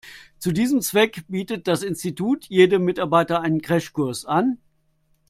Zu diesem Zweck bietet das Institut jedem Mitarbeiter einen Crashkurs an.